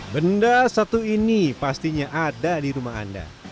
benda satu ini pastinya ada di rumah anda